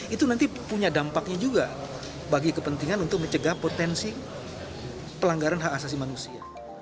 itu nanti punya dampaknya juga bagi kepentingan untuk mencegah potensi pelanggaran hak asasi manusia